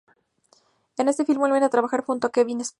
En este film vuelve a trabajar junto a Kevin Spacey.